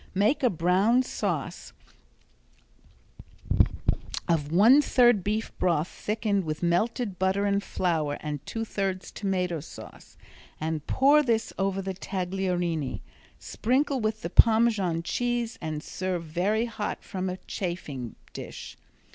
Make a brown sauce of one third beef broth thickened with melted butter and flour and two thirds tomato sauce, and pour this over the tagliarini. Sprinkle with the Parmesan cheese and serve very hot from a chafing dish.